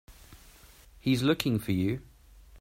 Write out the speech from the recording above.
He's looking for you.